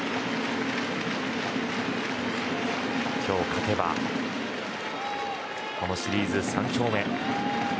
今日、勝てばこのシリーズ３勝目。